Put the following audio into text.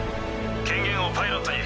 権限をパイロットに。